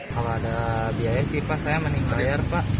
kalau ada biaya sih pak saya meninggal ya pak